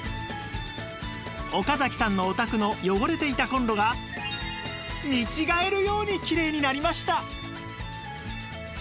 岡崎さんのお宅の汚れていたコンロが見違えるようにきれいになりました！